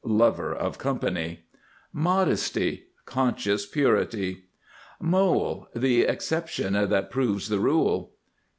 Lover of Company. MODESTY. Conscious purity. MOLE. The exception that proves the rule.